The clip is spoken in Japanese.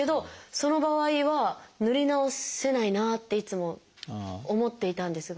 その場合は塗り直せないなっていつも思っていたんですが。